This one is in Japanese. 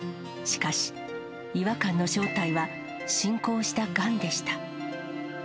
しかし、違和感の正体は、進行したがんでした。